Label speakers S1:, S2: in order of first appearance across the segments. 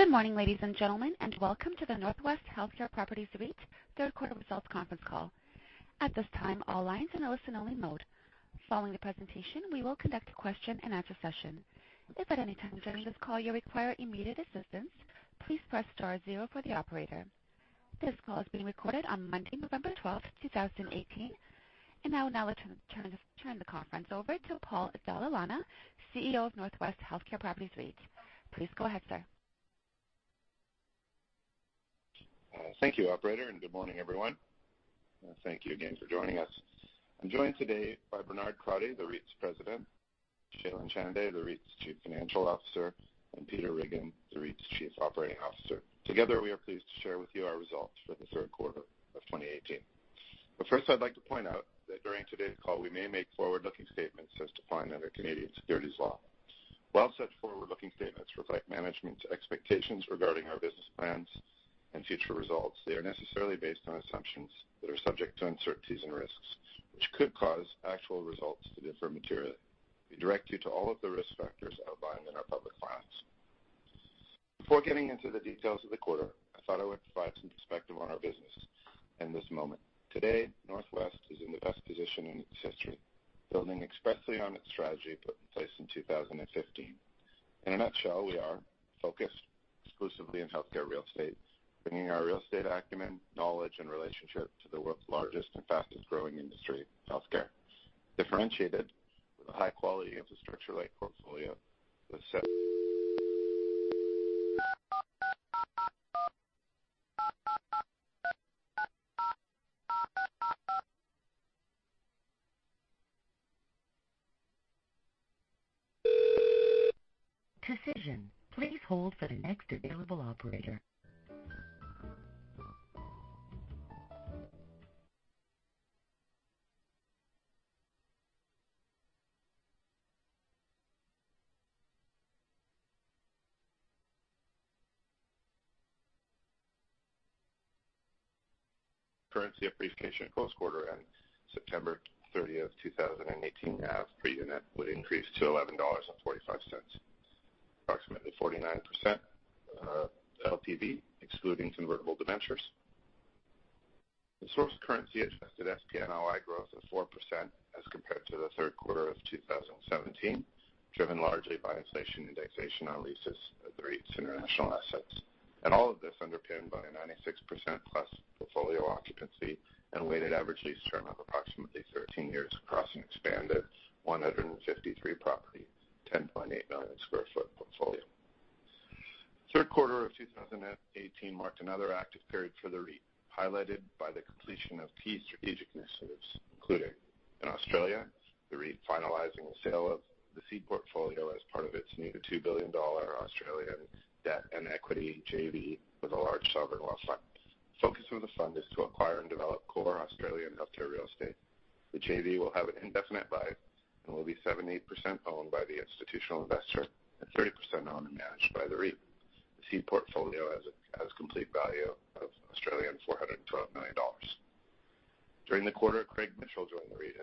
S1: Good morning, ladies and gentlemen, welcome to the NorthWest Healthcare Properties REIT third quarter results conference call. At this time, all lines are in listen-only mode. Following the presentation, we will conduct a question-and-answer session. If at any time during this call you require immediate assistance, please press star zero for the operator. This call is being recorded on Monday, November 12th, 2018. Now I will turn the conference over to Paul Dalla Lana, CEO of NorthWest Healthcare Properties REIT. Please go ahead, sir.
S2: Thank you, operator, and good morning, everyone. Thank you again for joining us. I'm joined today by Bernard Crotty, the REIT's President, Shailen Chande, the REIT's Chief Financial Officer, and Peter Riggin, the REIT's Chief Operating Officer. Together, we are pleased to share with you our results for the third quarter of 2018. First, I'd like to point out that during today's call, we may make forward-looking statements as defined under Canadian securities law. While such forward-looking statements reflect management's expectations regarding our business plans and future results, they are necessarily based on assumptions that are subject to uncertainties and risks, which could cause actual results to differ materially. We direct you to all of the risk factors outlined in our public filings. Before getting into the details of the quarter, I thought I would provide some perspective on our business in this moment. Today, NorthWest is in the best position in its history, building expressly on its strategy put in place in 2015. In a nutshell, we are focused exclusively on healthcare real estate, bringing our real estate acumen, knowledge, and relationships to the world's largest and fastest-growing industry, healthcare. Differentiated with a high quality of structured lease portfolio with-
S1: Decision. Please hold for the next available operator.
S2: Currency appreciation post quarter end, September 30th, 2018, our per unit would increase to 11.45 dollars, approximately 49% LTV, excluding convertible debentures. The source currency adjusted SPNOI growth of 4% as compared to the third quarter of 2017, driven largely by inflation indexation on leases of the REIT's international assets. All of this underpinned by a 96%-plus portfolio occupancy and weighted average lease term of approximately 13 years across an expanded 153 property, 10.8 million sq ft portfolio. Third quarter of 2018 marked another active period for the REIT, highlighted by the completion of key strategic initiatives, including in Australia, the REIT finalizing the sale of the Seed portfolio as part of its new 2 billion Australian dollars Australian debt and equity JV with a large sovereign wealth fund. Focus of the fund is to acquire and develop core Australian healthcare real estate. The JV will have an indefinite buy and will be 78% owned by the institutional investor and 30% owned and managed by the REIT. The Seed portfolio has a complete value of 412 million Australian dollars. During the quarter, Craig Mitchell joined the REIT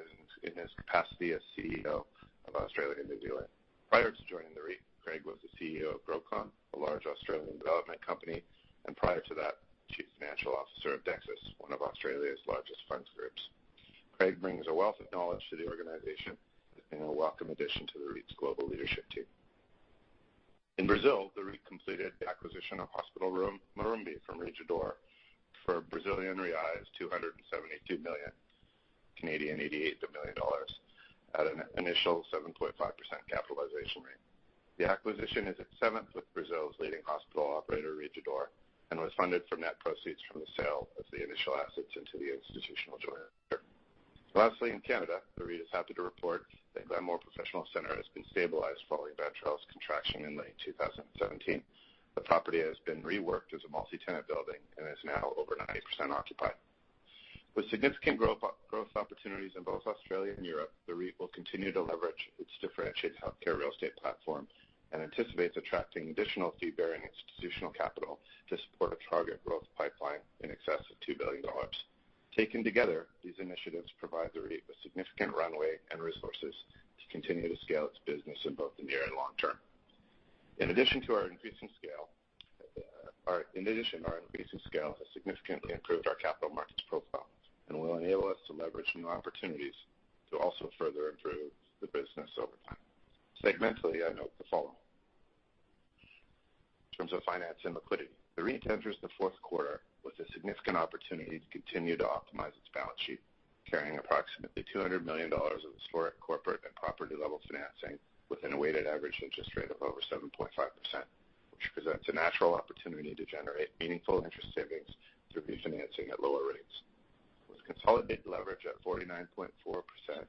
S2: in his capacity as CEO of Australia and New Zealand. Prior to joining the REIT, Craig was the CEO of Grocon, a large Australian development company, and prior to that, Chief Financial Officer of Dexus, one of Australia's largest funds groups. Craig brings a wealth of knowledge to the organization and a welcome addition to the REIT's global leadership team. In Brazil, the REIT completed the acquisition of Hospital Morumbi from Rede D'Or for Brazilian reais 272 million, 88 million Canadian dollars at an initial 7.5% capitalization rate. The acquisition is its seventh with Brazil's leading hospital operator, Rede D'Or, and was funded from net proceeds from the sale of the initial assets into the institutional joint venture. Lastly, in Canada, the REIT is happy to report that Glenmore Professional Centre has been stabilized following natural gas contraction in late 2017. The property has been reworked as a multi-tenant building and is now over 90% occupied. With significant growth opportunities in both Australia and Europe, the REIT will continue to leverage its differentiated healthcare real estate platform and anticipates attracting additional fee-bearing institutional capital to support a target growth pipeline in excess of 2 billion dollars. Taken together, these initiatives provide the REIT with significant runway and resources to continue to scale its business in both the near and long term. In addition, our increasing scale has significantly improved our capital markets profile and will enable us to leverage new opportunities to also further improve the business over time. Segmentally, I note the following. In terms of finance and liquidity, the REIT enters the fourth quarter with a significant opportunity to continue to optimize its balance sheet, carrying approximately 200 million dollars of historic corporate and property-level financing with a weighted average interest rate of over 7.5%, which presents a natural opportunity to generate meaningful interest savings through refinancing at lower rates. With consolidated leverage at 49.4% and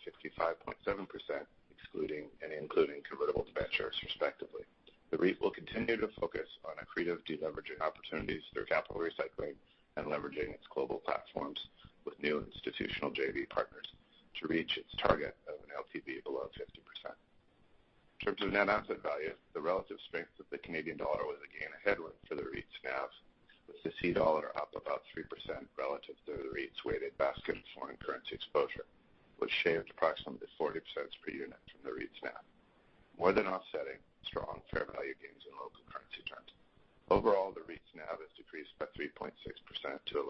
S2: 65.7%, excluding and including convertible debentures respectively, the REIT will continue to focus on accretive deleveraging opportunities through capital recycling and leveraging its global platforms with new institutional JV partners to reach its target of an LTV below 50%. In terms of net asset value, the relative strength of the Canadian dollar was again a headwind for the REIT's NAV. With the CAD up about 3% relative to the REIT's weighted basket of foreign currency exposure, which shaved approximately 0.40 per unit from the REIT's NAV, more than offsetting strong fair value gains in local currency terms. Overall, the REIT's NAV has decreased by 3.6% to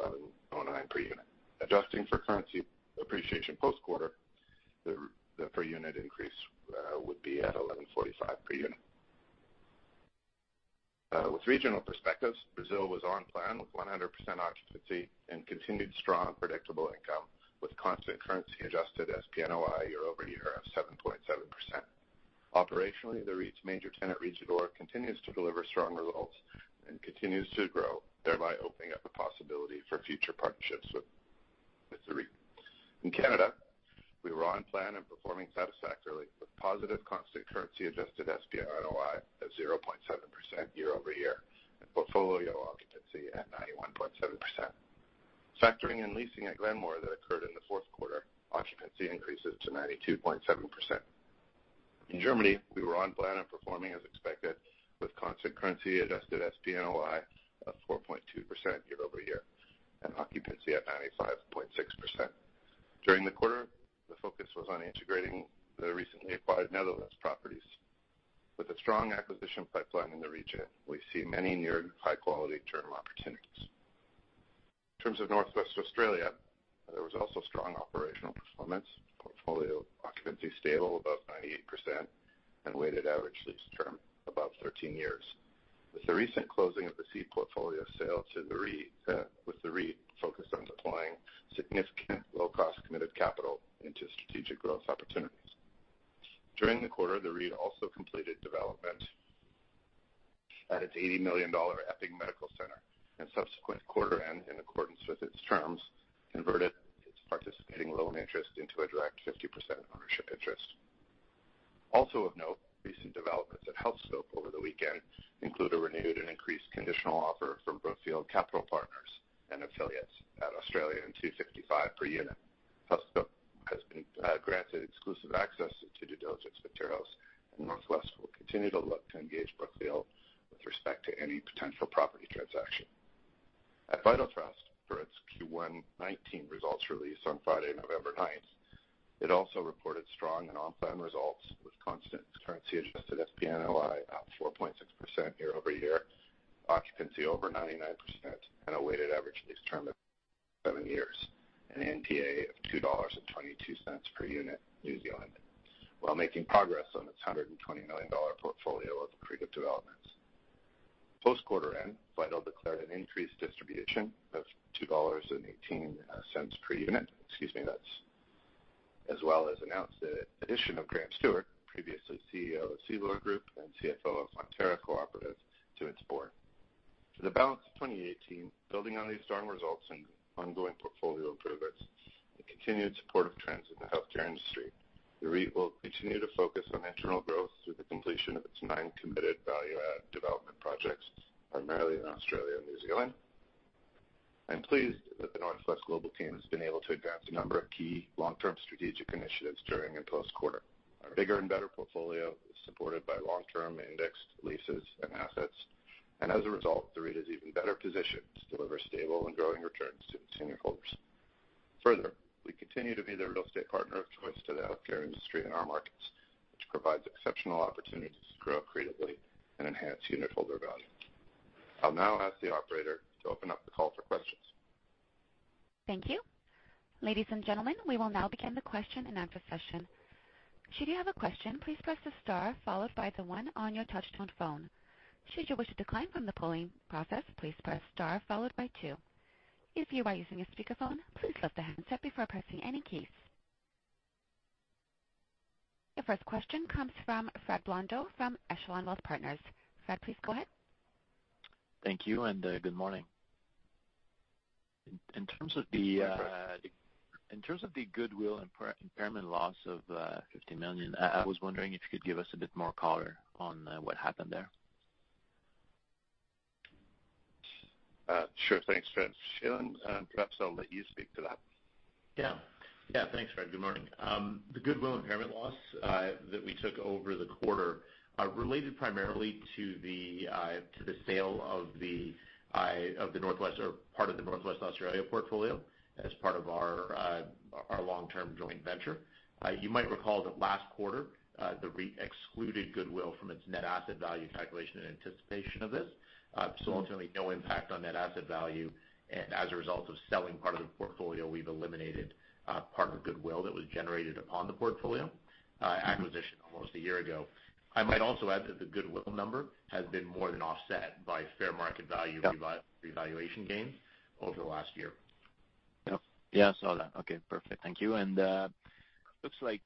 S2: 11.09 per unit. Adjusting for currency appreciation post-quarter, the per unit increase would be at 11.45 per unit. With regional perspectives, Brazil was on plan with 100% occupancy and continued strong predictable income, with constant currency adjusted SPNOI year-over-year of 7.7%. Operationally, the REIT's major tenant, Rede D'Or, continues to deliver strong results and continues to grow, thereby opening up the possibility for future partnerships with the REIT. In Canada, we were on plan and performing satisfactorily with positive constant currency adjusted SPNOI of 0.7% year-over-year and portfolio occupancy at 91.7%. Factoring in leasing at Glenmore that occurred in the fourth quarter, occupancy increases to 92.7%. In Germany, we were on plan and performing as expected with constant currency adjusted SPNOI of 4.2% year-over-year and occupancy at 95.6%. During the quarter, the focus was on integrating the recently acquired Netherlands properties. With a strong acquisition pipeline in the region, we see many near high-quality term opportunities. In terms of Northwest Australia, there was also strong operational performance, portfolio occupancy stable above 98%, and weighted average lease term above 13 years. With the recent closing of the seed portfolio sale to the REIT, with the REIT focused on deploying significant low-cost committed capital into strategic growth opportunities. During the quarter, the REIT also completed development at its 80 million dollar Epworth Medical Centre, and subsequent quarter-end, in accordance with its terms, converted its participating loan interest into a direct 50% ownership interest. Also of note, recent developments at Healthscope over the weekend include a renewed and increased conditional offer from Brookfield Capital Partners and affiliates at 2.55 per unit. Healthscope has been granted exclusive access to due diligence materials, and NorthWest will continue to look to engage Brookfield with respect to any potential property transaction. At Vital Trust, for its Q1 2019 results release on Friday, November 9th, it also reported strong and on-plan results with constant currency adjusted SPNOI up 4.6% year-over-year, occupancy over 99%, and a weighted average lease term of seven years, an NTA of 2.22 dollars per unit, while making progress on its 120 million dollar portfolio of accretive developments. Post quarter-end, Vital declared an increased distribution of 2.18 dollars per unit, excuse me, that's as well as announced the addition of Graham Stuart, previously CEO of Sealord Group and CFO of Fonterra Co-operative, to its board. For the balance of 2018, building on these strong results and ongoing portfolio progress, and continued supportive trends in the healthcare industry, the REIT will continue to focus on internal growth through the completion of its nine committed value-add development projects, primarily in Australia and New Zealand. I'm pleased that the NorthWest Global team has been able to advance a number of key long-term strategic initiatives during and post-quarter. Our bigger and better portfolio is supported by long-term indexed leases and assets. As a result, the REIT is even better positioned to deliver stable and growing returns to unitholders. Further, we continue to be the real estate partner of choice to the healthcare industry in our markets, which provides exceptional opportunities to grow accretively and enhance unitholder value. I'll now ask the operator to open up the call for questions.
S1: Thank you. Ladies and gentlemen, we will now begin the question and answer session. Should you have a question, please press the star followed by the one on your touch tone phone. Should you wish to decline from the polling process, please press star followed by two. If you are using a speakerphone, please lift the handset before pressing any keys. Your first question comes from Fred Blondeau from Echelon Wealth Partners. Fred, please go ahead.
S3: Thank you. Good morning.
S2: You bet, Fred.
S3: In terms of the goodwill impairment loss of 50 million, I was wondering if you could give us a bit more color on what happened there.
S2: Sure. Thanks, Fred. Shailen, perhaps I'll let you speak to that.
S4: Thanks, Fred. Good morning. The goodwill impairment loss that we took over the quarter related primarily to the sale of part of the Northwest Australia portfolio as part of our long-term joint venture. You might recall that last quarter, the REIT excluded goodwill from its net asset value calculation in anticipation of this. Ultimately, no impact on net asset value, and as a result of selling part of the portfolio, we've eliminated part of the goodwill that was generated upon the portfolio acquisition almost a year ago. I might also add that the goodwill number has been more than offset by fair market value-
S3: Yep
S4: revaluation gains over the last year.
S3: Yep. Yeah, I saw that. Okay, perfect. Thank you. Looks like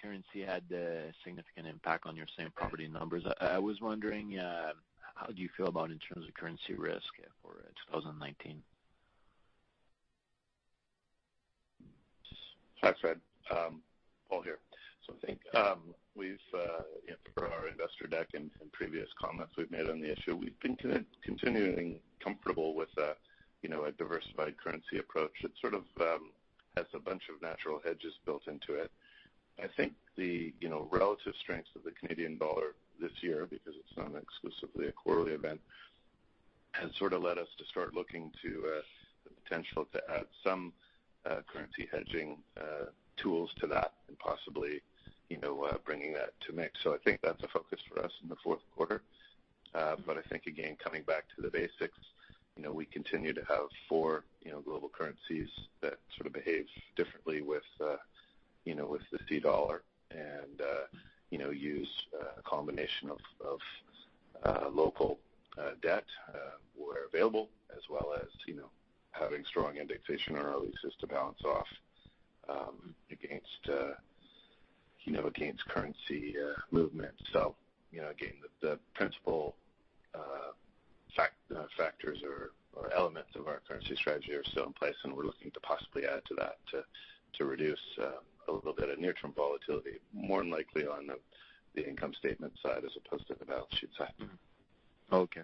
S3: currency had a significant impact on your same property numbers. I was wondering, how do you feel about in terms of currency risk for 2019?
S2: Hi, Fred. Paul here. I think for our investor deck and previous comments we have made on the issue. We have been continuing comfortable with a diversified currency approach that has a bunch of natural hedges built into it. I think the relative strengths of the CAD this year, because it is not exclusively a quarterly event, has led us to start looking to the potential to add some currency hedging tools to that and possibly bringing that to mix. I think that is a focus for us in the fourth quarter. I think, again, coming back to the basics, we continue to have four global currencies that behave differently with the CAD and use a combination of local debt where available, as well as having strong indexation on our leases to balance off against currency movement. Again, the principle factors or elements of our currency strategy are still in place, and we are looking to possibly add to that to reduce a little bit of near-term volatility, more than likely on the income statement side as opposed to the balance sheet side.
S3: Okay.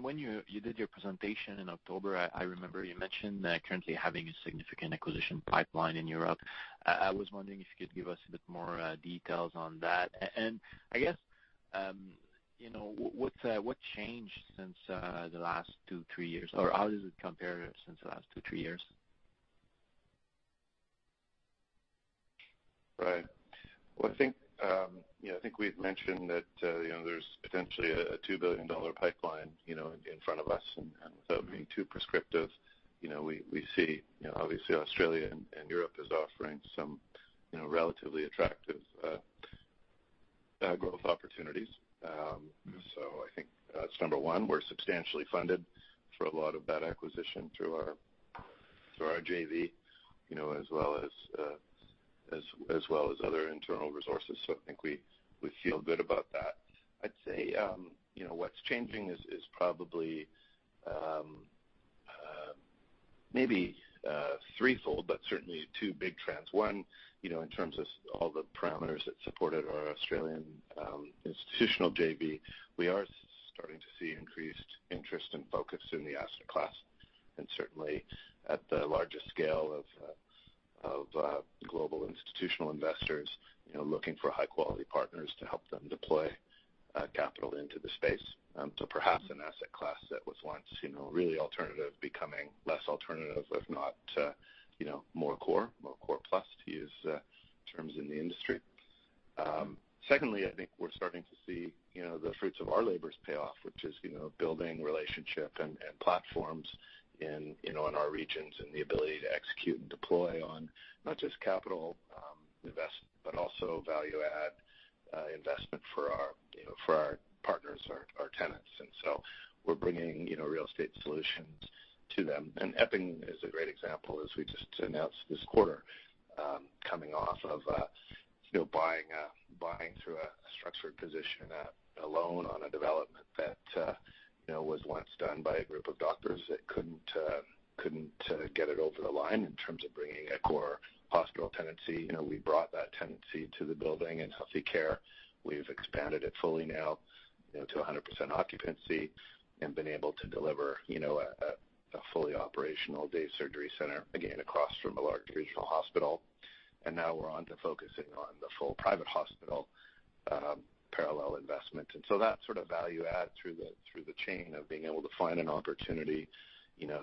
S3: When you did your presentation in October, I remember you mentioned currently having a significant acquisition pipeline in Europe. I was wondering if you could give us a bit more details on that. I guess, what changed since the last two, three years, or how does it compare since the last two, three years?
S2: Right. Well, I think we've mentioned that there's potentially a 2 billion dollar pipeline in front of us. Without being too prescriptive, we see, obviously Australia and Europe as offering some relatively attractive growth opportunities. I think that's number one. We're substantially funded for a lot of that acquisition through our JV as well as other internal resources. I think we feel good about that. I'd say, what's changing is probably maybe threefold, but certainly two big trends. One, in terms of all the parameters that supported our Australian institutional JV, we are starting to see increased interest and focus in the asset class, and certainly at the larger scale of global institutional investors looking for high-quality partners to help them deploy capital into the space. Perhaps an asset class that was once really alternative, becoming less alternative, if not more core, more core plus, to use terms in the industry. Secondly, I think we're starting to see the fruits of our labors pay off, which is building relationship and platforms in our regions, and the ability to execute and deploy on not just capital investment, but also value add investment for our partners or our tenants. We're bringing real estate solutions to them. Epping is a great example, as we just announced this quarter, coming off of buying through a structured position, a loan on a development that was once done by a group of doctors that couldn't get it over the line in terms of bringing a core hospital tenancy. We brought that tenancy to the building and Healthia Limited. We've expanded it fully now to 100% occupancy and been able to deliver a fully operational day surgery center, again, across from a large regional hospital. Now we're on to focusing on the full private hospital parallel investment. That sort of value add through the chain of being able to find an opportunity,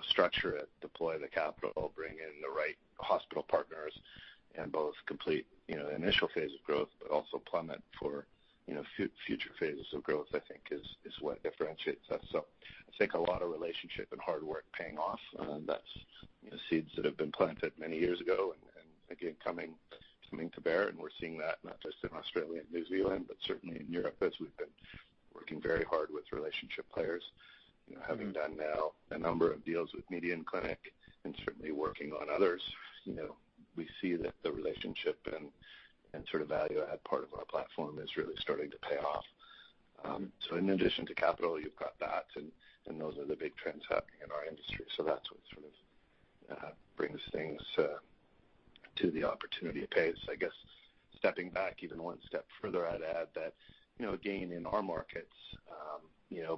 S2: structure it, deploy the capital, bring in the right hospital partners, and both complete the initial phase of growth, but also plan it for future phases of growth, I think is what differentiates us. I think a lot of relationship and hard work paying off. That's seeds that have been planted many years ago and again, coming to bear, and we're seeing that not just in Australia and New Zealand, but certainly in Europe as we've been working very hard with relationship players. Having done now a number of deals with MEDIAN Kliniken and certainly working on others, we see that the relationship and sort of value add part of our platform is really starting to pay off. In addition to capital, you've got that, and those are the big trends happening in our industry. That's what sort of brings things to the opportunity space. I guess stepping back even one step further, I'd add that, again, in our markets,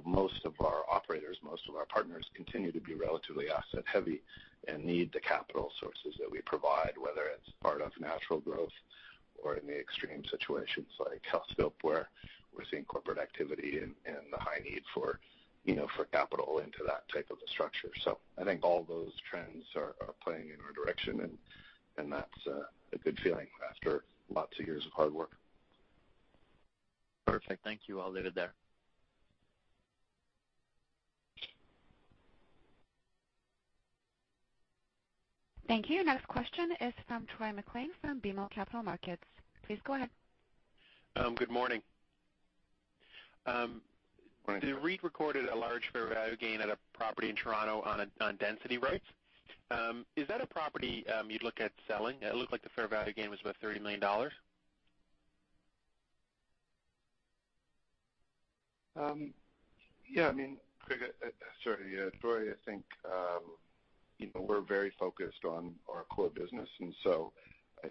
S2: most of our operators, most of our partners continue to be relatively asset heavy and need the capital sources that we provide, whether it's part of natural growth or in the extreme situations like Healthscope, where we're seeing corporate activity and the high need for capital into that type of a structure. I think all those trends are playing in our direction, and that's a good feeling after lots of years of hard work.
S3: Perfect. Thank you. I'll leave it there.
S1: Thank you. Next question is from Troy MacLean from BMO Capital Markets. Please go ahead.
S5: Good morning.
S2: Morning.
S5: The REIT recorded a large fair value gain at a property in Toronto on density rates. Is that a property you would look at selling? It looked like the fair value gain was about 30 million dollars.
S6: Yeah, Craig, certainly at Dory, I think we're very focused on our core business.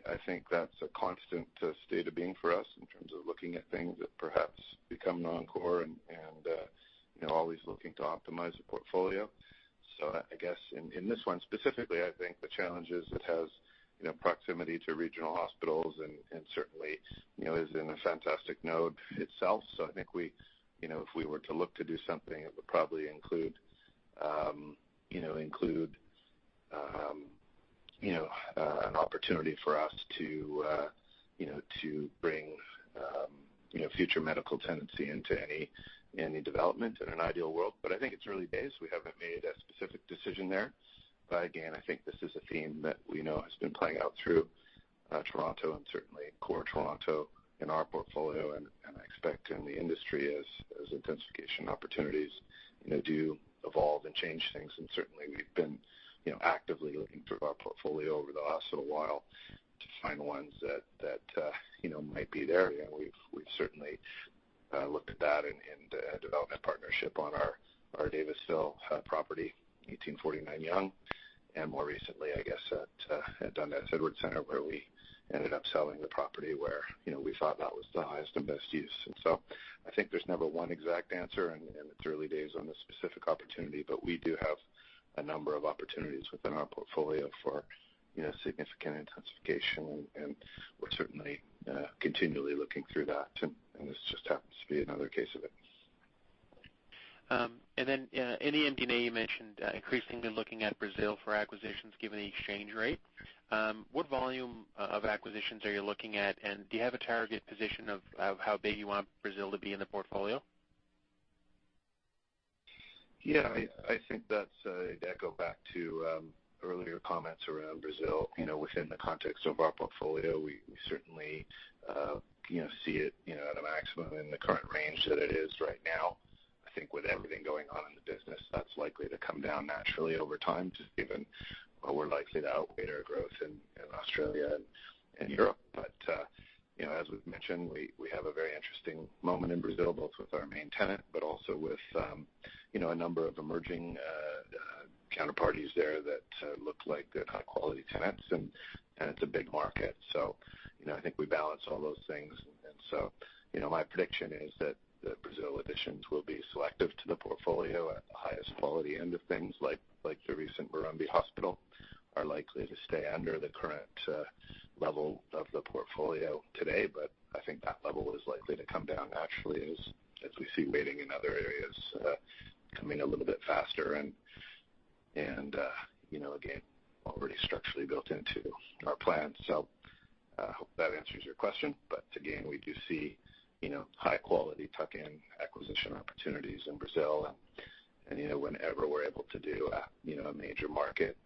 S6: I think that's a constant state of being for us in terms of looking at things that perhaps become non-core and always looking to optimize the portfolio. I guess in this one specifically, I think the challenge is it has proximity to regional hospitals and certainly is in a fantastic node itself. I think if we were to look to do something, it would probably include an opportunity for us to bring future medical tenancy into any development in an ideal world. I think it's early days. We haven't made a specific decision there. Again, I think this is a theme that we know has been playing out through Toronto and certainly core Toronto in our portfolio, and I expect in the industry as intensification opportunities do evolve and change things. Certainly, we've been actively looking through our portfolio over the last little while to find ones that might be there. We've certainly looked at that in the development partnership on our Davisville property, 1849 Yonge, and more recently, I guess, at Dundas-Edward Centre, where we ended up selling the property where we thought that was the highest and best use. I think there's never one exact answer, and it's early days on this specific opportunity, but we do have a number of opportunities within our portfolio for significant intensification, and we're certainly continually looking through that. This just happens to be another case of it.
S5: In MD&A you mentioned increasingly looking at Brazil for acquisitions given the exchange rate. What volume of acquisitions are you looking at, and do you have a target position of how big you want Brazil to be in the portfolio?
S2: To echo back to earlier comments around Brazil. Within the context of our portfolio, we certainly see it at a maximum in the current range that it is right now. I think with everything going on in the business, that's likely to come down naturally over time, just given what we're likely to outweigh our growth in Australia and Europe. As we've mentioned, we have a very interesting moment in Brazil, both with our main tenant, but also with a number of emerging counterparties there that look like they're high-quality tenants, and it's a big market. I think we balance all those things. My prediction is that the Brazil additions will be selective to the portfolio at the highest quality end of things, like the recent Hospital Morumbi, are likely to stay under the current level of the portfolio today. I think that level is likely to come down naturally as we see weighting in other areas coming a little bit faster and, again, already structurally built into our plan. I hope that answers your question. Again, we do see high-quality tuck-in acquisition opportunities in Brazil. Whenever we're able to do a major market,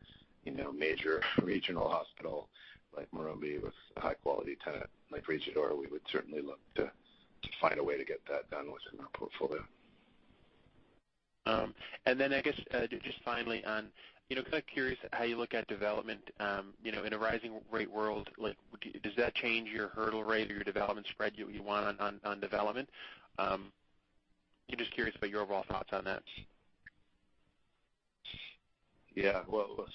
S2: major regional hospital like Hospital Morumbi with a high-quality tenant like Rede D'Or, we would certainly look to find a way to get that done within our portfolio.
S5: I guess, just finally on, kind of curious how you look at development in a rising rate world. Does that change your hurdle rate or your development spread you want on development? I'm just curious about your overall thoughts on that.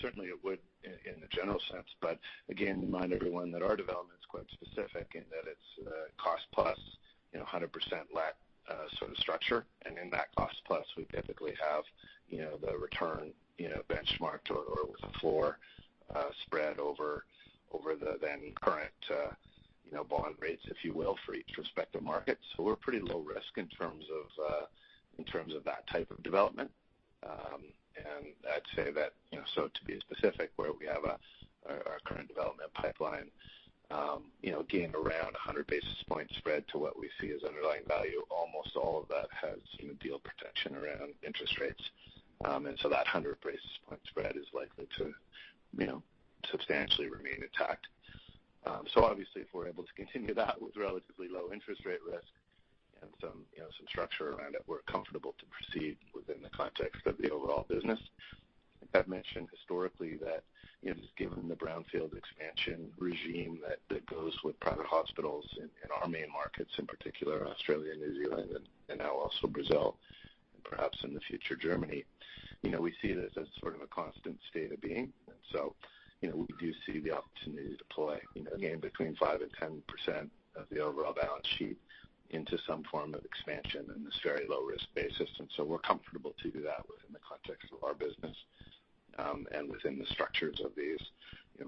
S2: Certainly it would in the general sense, but again, remind everyone that our development is quite specific in that it's a cost-plus, 100% let sort of structure. In that cost-plus, we typically have the return benchmarked or with a floor spread over the then current bond rates, if you will, for each respective market. We're pretty low risk in terms of that type of development. To be specific, where we have our current development pipeline, again, around 100 basis point spread to what we see as underlying value. Almost all of that has deal protection around interest rates. That 100 basis point spread is likely to substantially remain intact. Obviously, if we're able to continue that with relatively low interest rate risk and some structure around it, we're comfortable to proceed within the context of the overall business. I think I've mentioned historically that just given the brownfield expansion regime that goes with private hospitals in our main markets, in particular Australia, New Zealand, and now also Brazil, and perhaps in the future, Germany. We see it as sort of a constant state of being. We do see the opportunity to deploy again between 5% and 10% of the overall balance sheet into some form of expansion in this very low risk basis. We're comfortable to do that within the context of our business and within the structures of these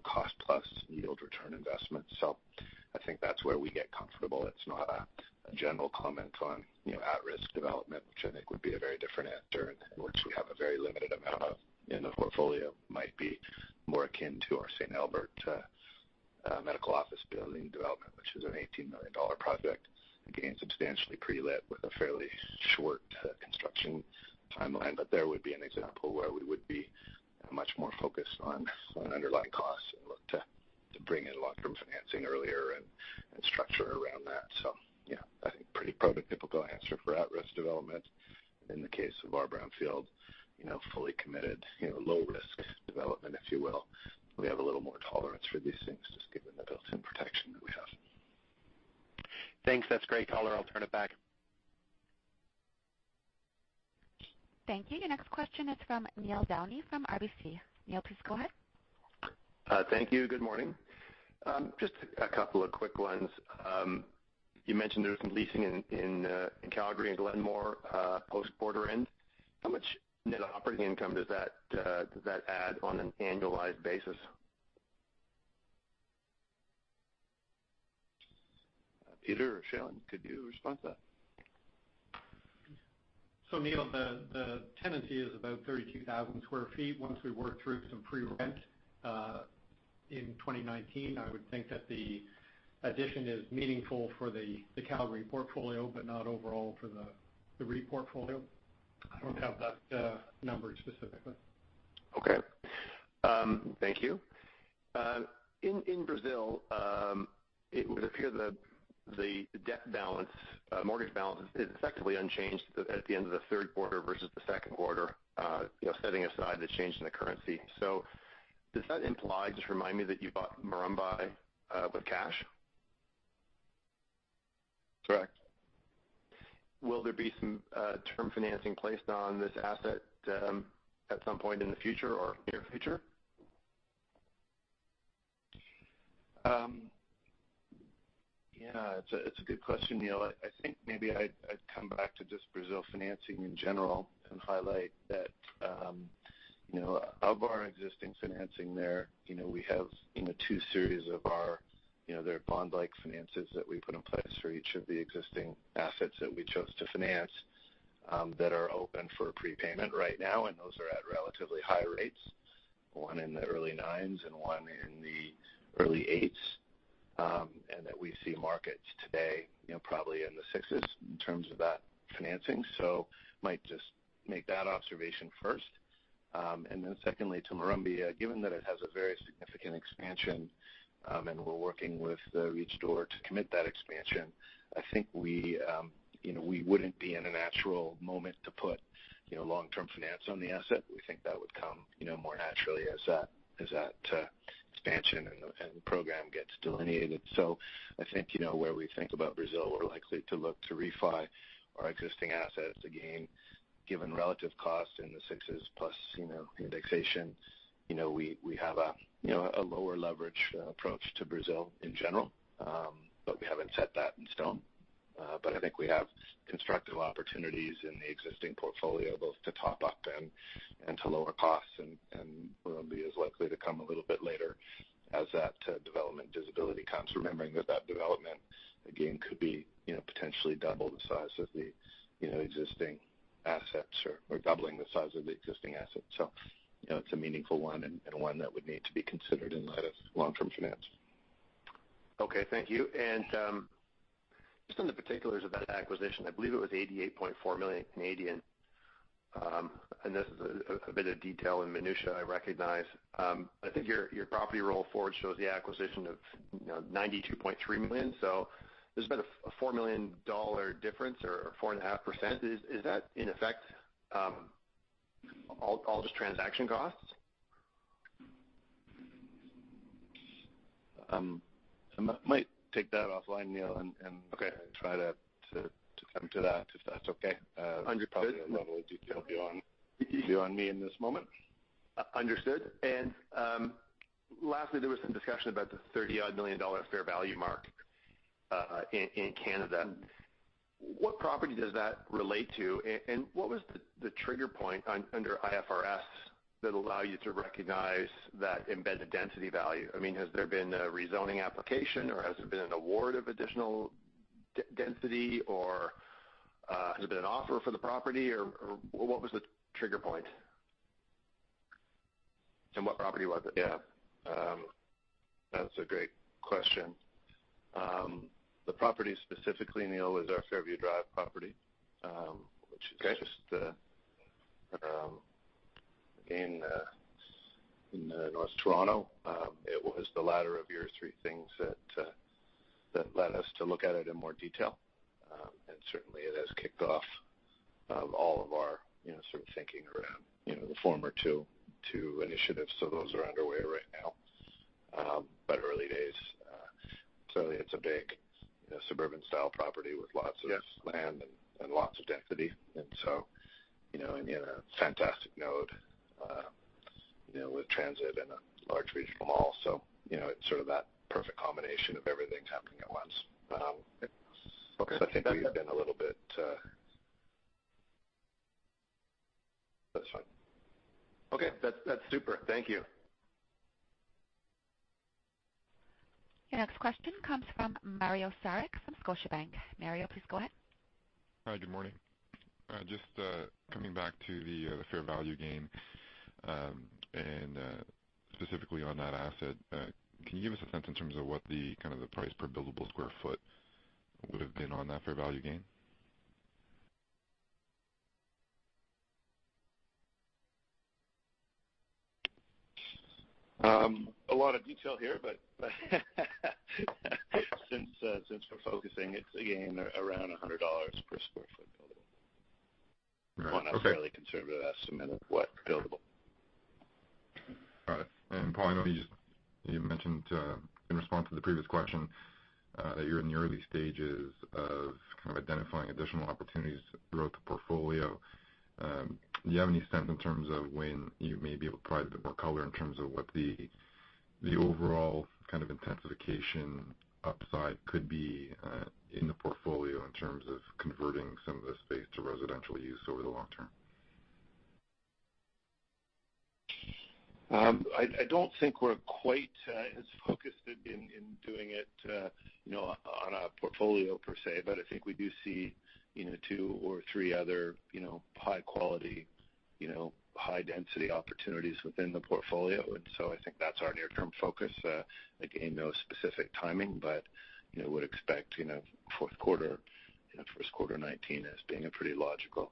S2: cost-plus yield return investments. I think that's where we get comfortable. It's not a general comment on at-risk development, which I think would be a very different answer, and which we have a very limited amount of in the portfolio, might be more akin to our St. Albert medical office building development, which is a 18 million dollar project. Again, substantially pre-let with a fairly short construction timeline. There would be an example where we would be much more focused on underlying costs and look to bring in long-term financing earlier and structure around that. Yeah, I think pretty product typical answer for at-risk development. In the case of our brownfield, fully committed, low risk development, if you will. We have a little more tolerance for these things, just given the built-in protection that we have.
S5: Thanks. That's great, color. I'll turn it back.
S1: Thank you. Your next question is from Neil Downey from RBC. Neil, please go ahead.
S7: Thank you. Good morning. Just a couple of quick ones. You mentioned there was some leasing in Calgary and Glenmore post-quarter end. How much net operating income does that add on an annualized basis?
S2: Peter or Shailen, could you respond to that?
S8: Neil, the tenancy is about 32,000 sq ft. Once we work through some pre-rent, in 2019, I would think that the addition is meaningful for the Calgary portfolio, but not overall for the REIT portfolio. I don't have that number specifically.
S7: Okay. Thank you. In Brazil, it would appear the debt balance, mortgage balance is effectively unchanged at the end of the third quarter versus the second quarter, setting aside the change in the currency. Does that imply, just remind me, that you bought Morumbi with cash?
S2: Correct.
S7: Will there be some term financing placed on this asset at some point in the future or near future?
S2: Yeah, it's a good question, Neil. I think maybe I'd come back to just Brazil financing in general and highlight that of our existing financing there, we have two series of our bond-like finances that we put in place for each of the existing assets that we chose to finance, that are open for prepayment right now. Those are at relatively high rates, one in the early nines and one in the early eights. We see markets today, probably in the sixes in terms of that financing. Might just make that observation first. Then secondly, to Hospital Morumbi, given that it has a very significant expansion, and we're working with the Rede D'Or to commit that expansion, I think we wouldn't be in a natural moment to put long-term finance on the asset. We think that would come more naturally as that expansion and program gets delineated. I think, where we think about Brazil, we're likely to look to refi our existing assets again, given relative cost in the sixes plus indexation. We have a lower leverage approach to Brazil in general, but we haven't set that in stone. I think we have constructive opportunities in the existing portfolio, both to top up and to lower costs, and Hospital Morumbi is likely to come a little bit later as that development visibility comes. Remembering that that development, again, could be potentially double the size of the existing assets or doubling the size of the existing asset. It's a meaningful one and one that would need to be considered in light of long-term finance.
S7: Okay, thank you. Just on the particulars about acquisition, I believe it was 88.4 million. This is a bit of detail and minutia I recognize. I think your property roll forward shows the acquisition of 92.3 million. There's about a 4 million dollar difference or 4.5%. Is that in effect all just transaction costs?
S2: I might take that offline, Neil.
S7: Okay
S2: Try to come to that, if that's okay.
S7: Understood.
S2: Probably a level of detail beyond me in this moment.
S7: Understood. Lastly, there was some discussion about the 30-odd million dollar fair value mark in Canada. What property does that relate to, and what was the trigger point under IFRS that allow you to recognize that embedded density value? Has there been a rezoning application, or has there been an award of additional density, or has there been an offer for the property, or what was the trigger point? What property was it?
S2: Yeah. That's a great question. The property specifically, Neil, is our Fairview Drive property.
S7: Okay
S2: Which is just in North Toronto. It was the latter of your three things that led us to look at it in more detail. Certainly it has kicked off all of our sort of thinking around the former two initiatives. Those are underway right now. Early days. Certainly it's a big suburban-style property with lots of land and lots of density. In a fantastic node with transit and a large regional mall. It's sort of that perfect combination of everything's happening at once.
S7: Okay.
S2: I think we've been a little bit. That's fine.
S7: Okay. That's super. Thank you.
S1: Your next question comes from Mario Saric from Scotiabank. Mario, please go ahead.
S9: Hi. Good morning. Just coming back to the fair value gain, and specifically on that asset. Can you give us a sense in terms of what the price per billable square foot would've been on that fair value gain?
S2: A lot of detail here, since we're focusing, it's again around 100 dollars per square foot buildable.
S9: Right. Okay.
S2: A fairly conservative estimate of what buildable.
S9: Paul, I know you mentioned in response to the previous question that you are in the early stages of identifying additional opportunities throughout the portfolio. Do you have any sense in terms of when you may be able to provide a bit more color in terms of what the overall kind of intensification upside could be in the portfolio in terms of converting some of the space to residential use over the long term?
S2: I don't think we are quite as focused in doing it on a portfolio per se, but I think we do see two or three other high quality, high density opportunities within the portfolio. I think that's our near term focus. Again, no specific timing, but would expect fourth quarter, first quarter 2019 as being a pretty logical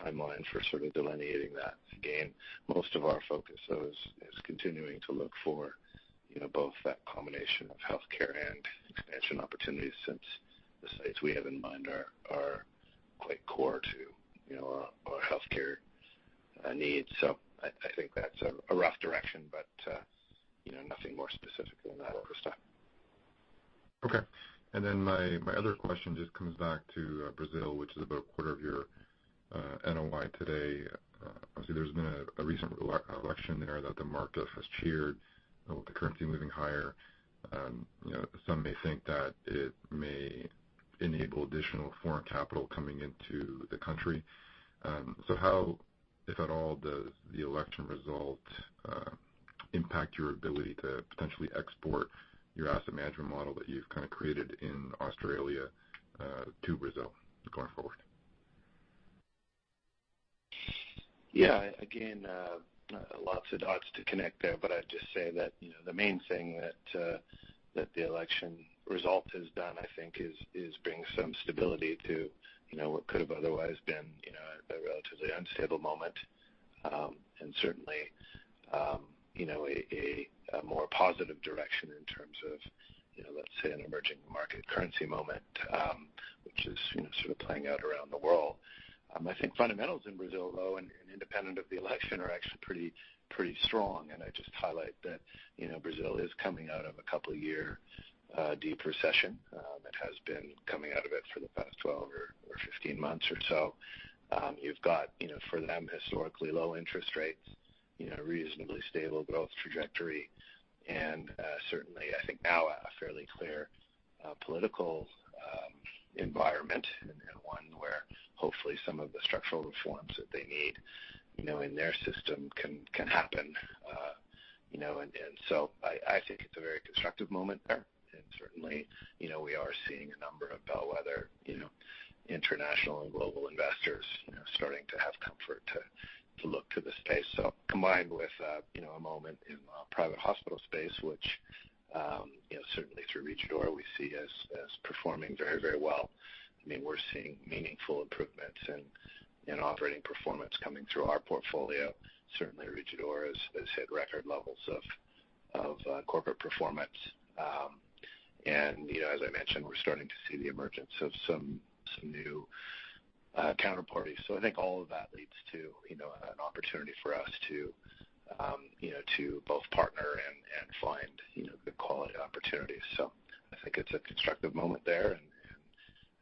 S2: timeline for sort of delineating that. Again, most of our focus though is continuing to look for both that combination of healthcare and expansion opportunities since the sites we have in mind are quite core to our healthcare needs. I think that's a rough direction, but nothing more specific than that, Kristan.
S9: Okay. My other question just comes back to Brazil, which is about a quarter of your NOI today. Obviously, there has been a recent election there that the market has cheered with the currency moving higher. Some may think that it may enable additional foreign capital coming into the country. How, if at all, does the election result impact your ability to potentially export your asset management model that you have kind of created in Australia to Brazil going forward?
S2: Yeah. Lots of dots to connect there, I'd just say that the main thing that the election result has done, I think is bring some stability to what could've otherwise been a relatively unstable moment. Certainly a more positive direction in terms of, let's say an emerging market currency moment, which is sort of playing out around the world. I think fundamentals in Brazil though, independent of the election, are actually pretty strong, I'd just highlight that Brazil is coming out of a couple year deep recession. It has been coming out of it for the past 12 or 15 months or so. You've got, for them, historically low interest rates, reasonably stable growth trajectory, certainly, I think now a fairly clear political environment and one where hopefully some of the structural reforms that they need in their system can happen. I think it's a very constructive moment there, certainly, we are seeing a number of bellwether international and global investors starting to have comfort to look to the space. Combined with a moment in private hospital space, which certainly through Rede D'Or we see as performing very well. We're seeing meaningful improvements in operating performance coming through our portfolio. Certainly Rede D'Or has hit record levels of corporate performance. As I mentioned, we're starting to see the emergence of some new counterparties. I think all of that leads to an opportunity for us to both partner and find good quality opportunities. I think it's a constructive moment there,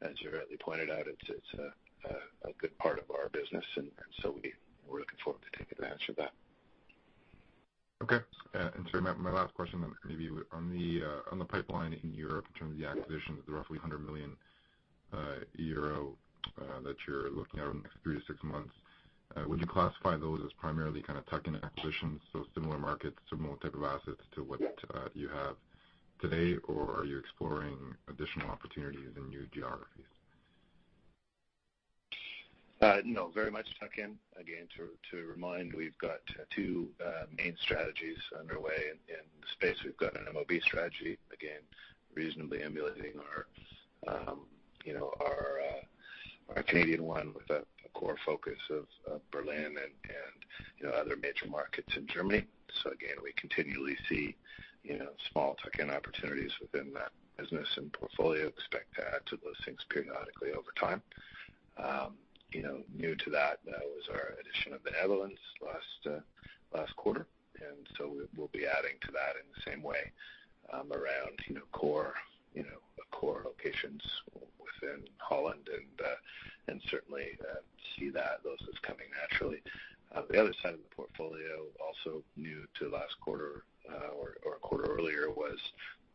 S2: as you rightly pointed out, it's a good part of our business, we're looking forward to taking advantage of that.
S9: Okay. Sorry, my last question maybe on the pipeline in Europe in terms of the acquisitions of the roughly 100 million euro that you're looking at in the next 3 to 6 months. Would you classify those as primarily kind of tuck-in acquisitions, similar markets, similar type of assets to what you have today or are you exploring additional opportunities in new geographies?
S2: No, very much tuck-in. To remind, we've got two main strategies underway in the space. We've got an MOB strategy, reasonably emulating our Canadian one with a core focus of Berlin and other major markets in Germany. We continually see small tuck-in opportunities within that business and portfolio. Expect to add to those things periodically over time. New to that was our addition of the Netherlands last quarter, we'll be adding to that in the same way around core locations within Holland certainly see those as coming naturally. The other side of the portfolio, also new to last quarter or a quarter earlier, was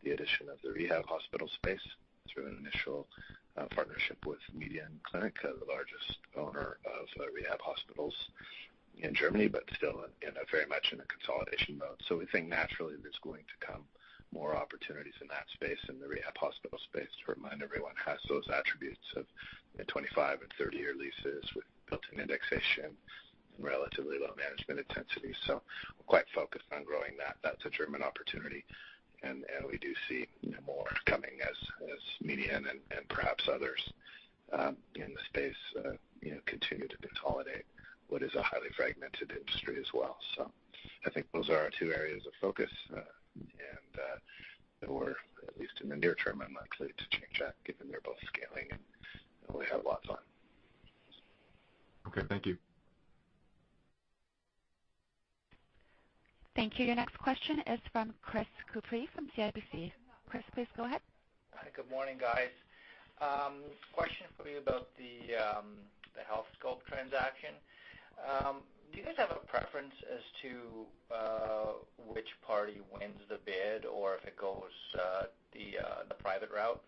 S2: the addition of the rehab hospital space through an initial partnership with MEDIAN Kliniken, the largest owner of rehab hospitals in Germany, still in a very much in a consolidation mode. We think naturally there's going to come more opportunities in that space, and the rehab hospital space, to remind everyone, has those attributes of 25- and 30-year leases with built-in indexation and relatively low management intensity. We're quite focused on growing that. That's a German opportunity, and we do see more kind of as Median and perhaps others in the space continue to consolidate what is a highly fragmented industry as well. I think those are our two areas of focus, and or at least in the near term, I'm not likely to change that given they're both scaling and we have lots on.
S9: Okay, thank you.
S1: Thank you. Your next question is from Chris Couprie from CIBC. Chris, please go ahead.
S10: Hi, good morning, guys. Question for you about the Healthscope transaction. Do you guys have a preference as to which party wins the bid or if it goes the private route?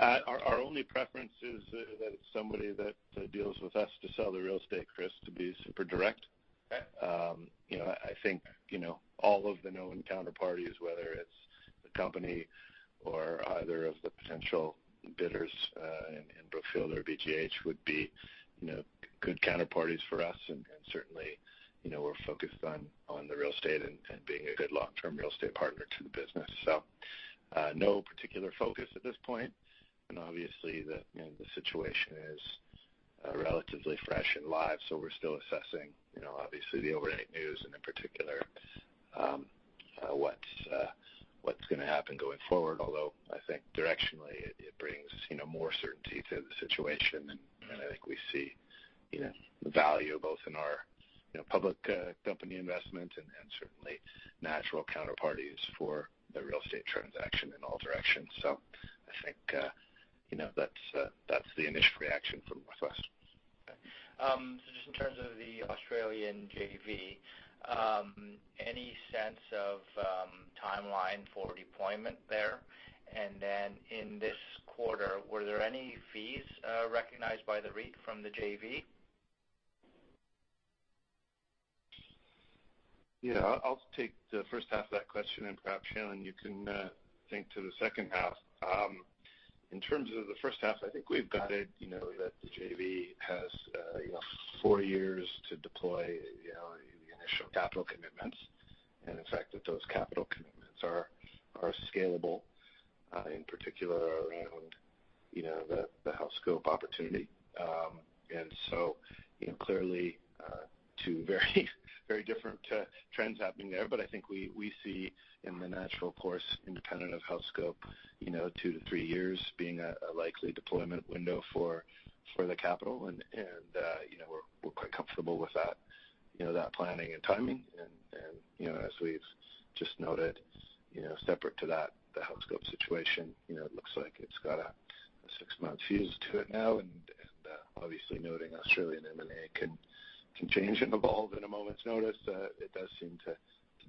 S2: Our only preference is that it's somebody that deals with us to sell the real estate, Chris, to be super direct.
S10: Okay.
S2: I think all of the known counterparties, whether it's the company or either of the potential bidders in Brookfield or BGH would be good counterparties for us. Certainly, we're focused on the real estate and being a good long-term real estate partner to the business. No particular focus at this point. Obviously the situation is relatively fresh and live, so we're still assessing obviously the overnight news and in particular, what's going to happen going forward. Although I think directionally it brings more certainty to the situation. I think we see value both in our public company investment and certainly natural counterparties for the real estate transaction in all directions. I think that's the initial reaction from us.
S10: Okay. Just in terms of the Australian JV, any sense of timeline for deployment there? Then in this quarter, were there any fees recognized by the REIT from the JV?
S2: Yeah, I'll take the first half of that question and perhaps Shailen, you can take to the second half. In terms of the first half, I think we've guided that the JV has four years to deploy the initial capital commitments. The fact that those capital commitments are scalable, in particular around the Healthscope opportunity. Clearly, two very different trends happening there, but I think we see in the natural course, independent of Healthscope, two to three years being a likely deployment window for the capital. We're quite comfortable with that planning and timing. As we've just noted, separate to that, the Healthscope situation, it looks like it's got a six-month fuse to it now, and obviously noting Australian M&A can change and evolve in a moment's notice. It does seem to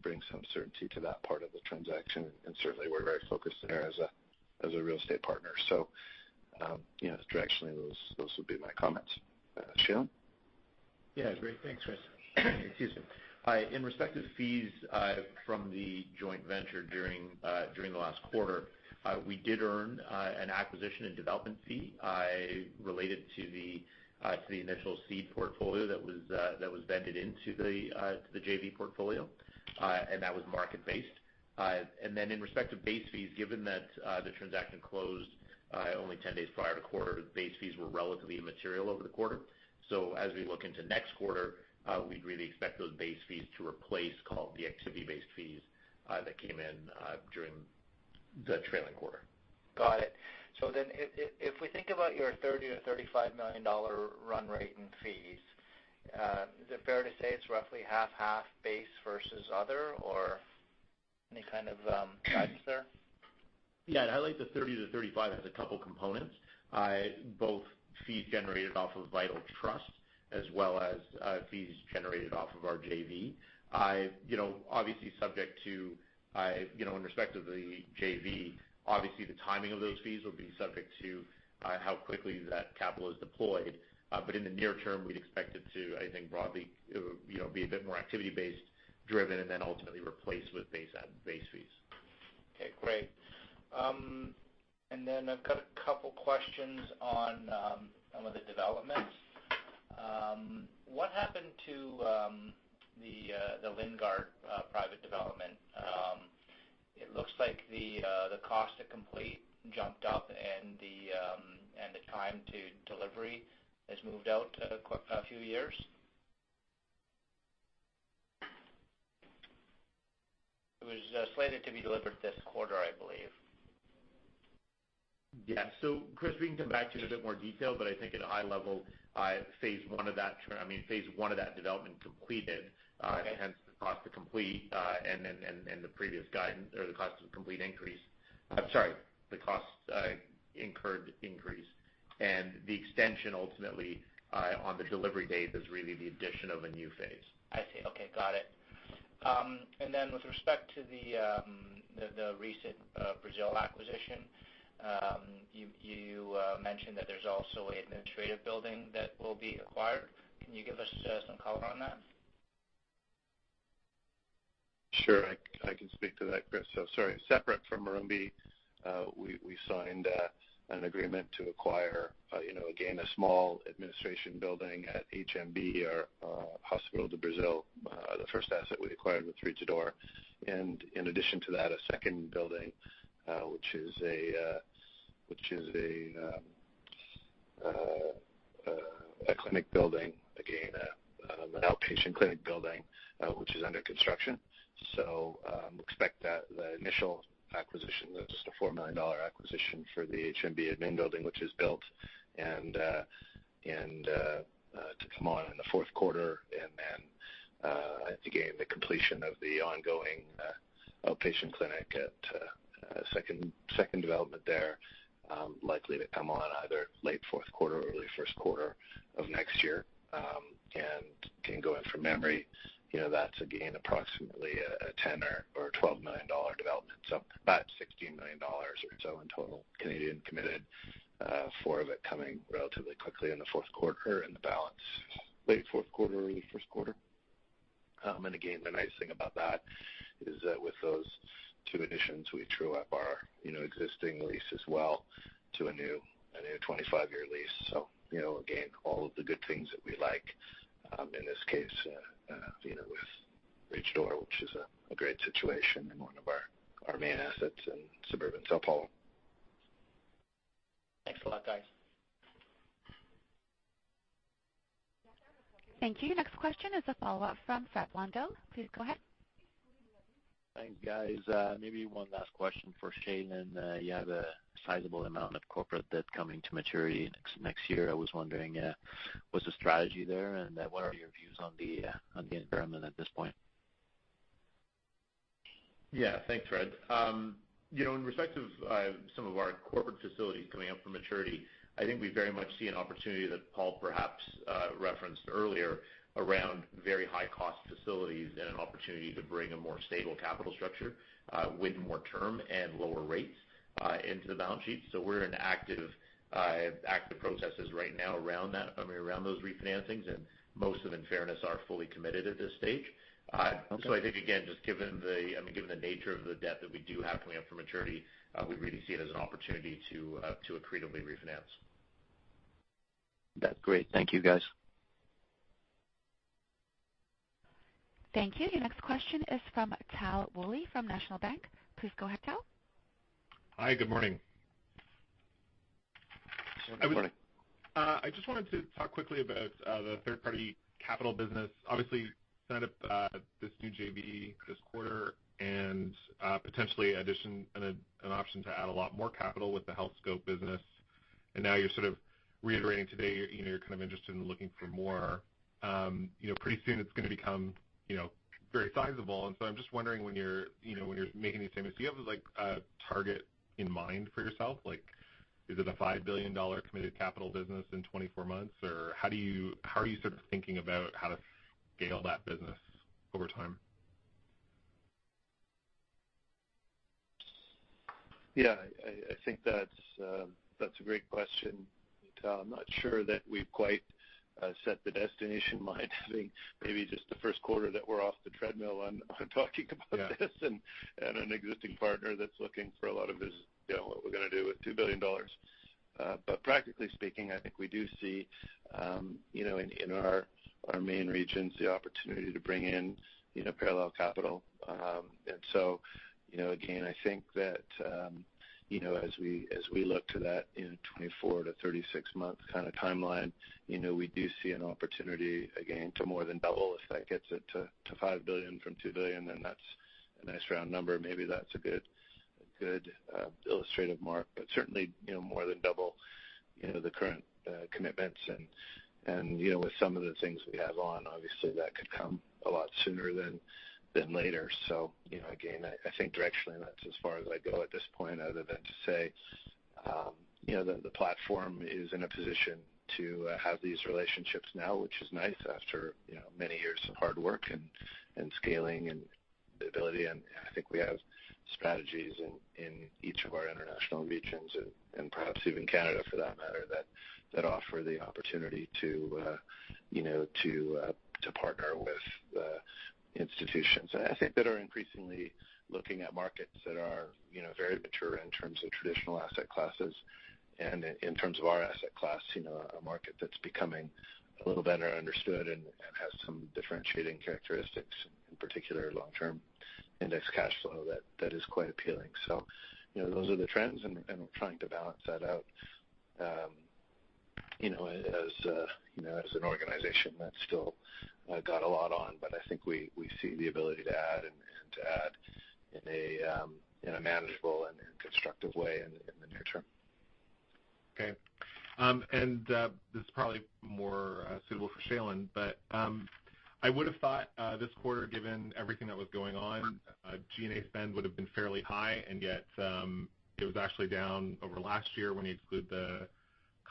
S2: bring some certainty to that part of the transaction, and certainly, we're very focused there as a real estate partner. Directionally, those would be my comments. Shailen?
S4: Yeah, great. Thanks, Chris. Excuse me. In respect to the fees from the joint venture during the last quarter, we did earn an acquisition and development fee related to the initial seed portfolio that was vended into the JV portfolio. That was market-based. Then in respect to base fees, given that the transaction closed only 10 days prior to quarter, base fees were relatively immaterial over the quarter. As we look into next quarter, we'd really expect those base fees to replace the activity-based fees that came in during the trailing quarter.
S10: If we think about your 30 million to 35 million dollar run rate in fees, is it fair to say it's roughly half base versus other, or any kind of guidance there?
S4: Yeah. I'd highlight the 30 to 35 has a couple components. Both fees generated off of Vital Trust as well as fees generated off of our JV. In respect of the JV, obviously the timing of those fees will be subject to how quickly that capital is deployed. In the near term, we'd expect it to, I think broadly, be a bit more activity based driven and then ultimately replaced with base fees.
S10: Okay, great. I've got two questions on some of the developments. What happened to the Lingard private development? It looks like the cost to complete jumped up and the time to delivery has moved out a few years. It was slated to be delivered this quarter, I believe.
S4: Yeah. Chris, we can come back to it in a bit more detail, but I think at a high level, phase 1 of that development completed, and hence the cost to complete. The costs incurred increased, and the extension ultimately on the delivery date is really the addition of a new phase.
S10: I see. Okay, got it. With respect to the recent Brazil acquisition, you mentioned that there is also an administrative building that will be acquired. Can you give us some color on that?
S2: Sure. I can speak to that, Chris. Sorry, separate from Morumbi, we signed an agreement to acquire, again, a small administration building at HMB or Hospital do Brasil, the first asset we acquired with Rede D'Or. In addition to that, a second building, which is a clinic building, again, an outpatient clinic building, which is under construction. Expect that the initial acquisition, just a BRL 4 million acquisition for the HMB admin building, which is built and to come on in the fourth quarter. Again, the completion of the ongoing outpatient clinic at a second development there, likely to come on either late fourth quarter or early first quarter of next year. Going from memory, that is again approximately a 10 million or BRL 12 million development. About 16 million dollars or so in total Canadian committed, 4 million of it coming relatively quickly in the fourth quarter and the balance late fourth quarter, early first quarter. Again, the nice thing about that is that with those two additions, we true up our existing lease as well to a new 25-year lease. Again, all of the good things that we like, in this case with 3 de Ouro, which is a great situation and one of our main assets in suburban São Paulo.
S10: Thanks a lot, guys.
S1: Thank you. Next question is a follow-up from Frederic Blondeau. Please go ahead.
S3: Thanks, guys. Maybe one last question for Shailen. You have a sizable amount of corporate debt coming to maturity next year. I was wondering, what's the strategy there and what are your views on the environment at this point?
S4: Yeah. Thanks, Fred. In respect of some of our corporate facilities coming up for maturity, I think we very much see an opportunity that Paul perhaps referenced earlier around very high-cost facilities and an opportunity to bring a more stable capital structure with more term and lower rates into the balance sheet. We're in active processes right now around those refinancings, and most of, in fairness, are fully committed at this stage. I think, again, just given the nature of the debt that we do have coming up for maturity, we really see it as an opportunity to accretively refinance.
S3: That's great. Thank you, guys.
S1: Thank you. The next question is from Tal Woolley from National Bank. Please go ahead, Tal.
S11: Hi, good morning.
S2: Good morning.
S11: I just wanted to talk quickly about the third-party capital business. Obviously, set up this new JV this quarter and potentially an option to add a lot more capital with the Healthscope business. Now you're sort of reiterating today you're kind of interested in looking for more. Pretty soon it's going to become very sizable. I'm just wondering when you're making these statements, do you have a target in mind for yourself? Is it a 5 billion dollar committed capital business in 24 months, or how are you sort of thinking about how to scale that business over time?
S2: Yeah. I think that's a great question, Tal. I'm not sure that we've quite set the destination in mind. I think maybe just the first quarter that we're off the treadmill on talking about this and an existing partner that's looking for a lot of his, what we're going to do with 2 billion dollars. Practically speaking, I think we do see, in our main regions, the opportunity to bring in parallel capital. Again, I think that as we look to that in 24 to 36 months kind of timeline, we do see an opportunity, again, to more than double. If that gets it to 5 billion from 2 billion, then that's a nice round number. Maybe that's a good illustrative mark, but certainly, more than double the current commitments. With some of the things we have on, obviously that could come a lot sooner than later. Again, I think directionally that's as far as I go at this point other than to say the platform is in a position to have these relationships now, which is nice after many years of hard work and scaling and the ability. I think we have strategies in each of our international regions and perhaps even Canada for that matter, that offer the opportunity to partner with institutions, I think, that are increasingly looking at markets that are very mature in terms of traditional asset classes and in terms of our asset class, a market that's becoming a little better understood and has some differentiating characteristics, in particular long-term index cash flow that is quite appealing. Those are the trends, we're trying to balance that out as an organization that's still got a lot on. I think we see the ability to add and to add in a manageable and constructive way in the near term.
S11: Okay. This is probably more suitable for Shailen, but I would've thought this quarter, given everything that was going on, G&A spend would've been fairly high, and yet it was actually down over last year when you exclude the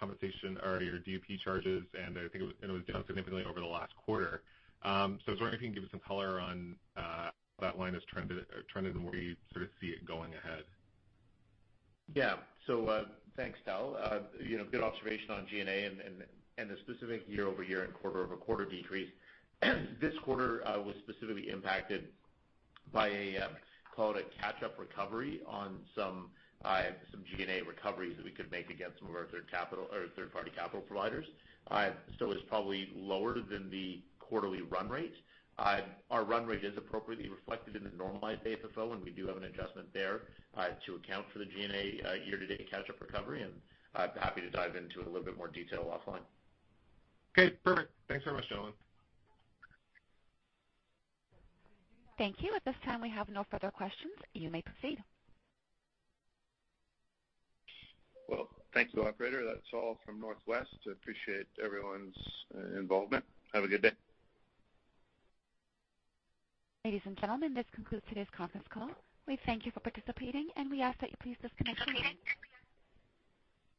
S11: compensation or your DUIP charges, and I think it was down significantly over the last quarter. I was wondering if you can give us some color on how that line is trending or where you sort of see it going ahead.
S4: Thanks, Tal. Good observation on G&A and the specific year-over-year and quarter-over-quarter decrease. This quarter was specifically impacted by call it a catch-up recovery on some G&A recoveries that we could make against some of our third-party capital providers. It was probably lower than the quarterly run rate. Our run rate is appropriately reflected in the normalized FFO, and we do have an adjustment there to account for the G&A year-to-date catch-up recovery, and happy to dive into it in a little bit more detail offline.
S11: Okay, perfect. Thanks very much, Shailen.
S1: Thank you. At this time, we have no further questions. You may proceed.
S2: Well, thank you, operator. That's all from NorthWest. Appreciate everyone's involvement. Have a good day.
S1: Ladies and gentlemen, this concludes today's conference call. We thank you for participating, and we ask that you please disconnect your lines.